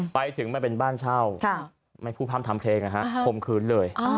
ไปถึงมันเป็นบ้านเช่าไม่พูดพร่ำทำเพลงคมคืนเลย